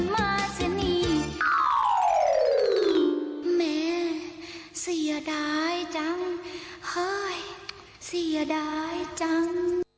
แม่เสียดายจัง